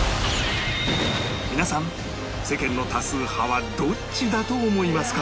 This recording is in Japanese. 皆さん世間の多数派はどっちだと思いますか？